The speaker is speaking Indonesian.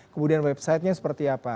kemudian websitenya seperti apa